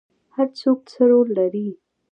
هر څوک څه رول لري؟